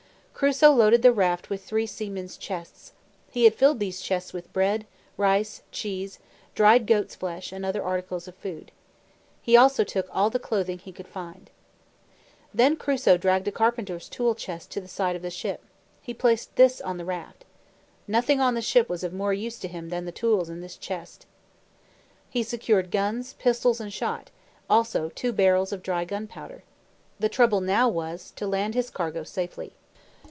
Crusoe loaded the raft with three seamen's chests. He had filled these chests with bread, rice, cheese, dried goat's flesh, and other articles of food. He also took all the clothing he could find. Then Crusoe dragged a carpenter's tool chest to the side of the ship. He placed this on the raft. Nothing on the ship was of more use to him than the tools in this chest. He secured guns, pistols, and shot, also two barrels of dry gunpowder. The trouble now was to land his cargo safely.